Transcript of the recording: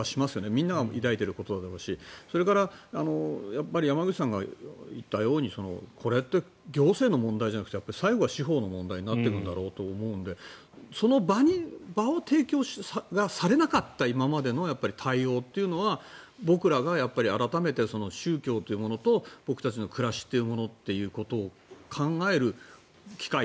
みんなが抱いていることだろうしそれから山口さんが言ったようにこれって行政の問題じゃなくて最後は司法の問題になっていくんだろうと思うのでその場が提供されなかった今までの対応というのは僕らが改めて宗教というものと僕たちの暮らしというものを考える機会